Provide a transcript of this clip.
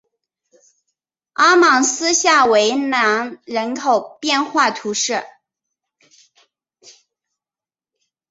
阿芒斯下韦兰人口变化图示